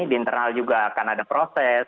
di internal juga akan ada proses